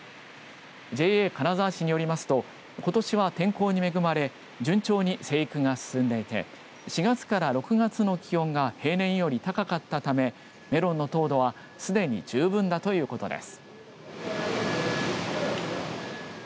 ＪＡ金沢市によりますとことしは天候に恵まれ順調に生育が進んでいて４月から６月の気温が平年より高かったためメロンの糖度はすでに十分だということです。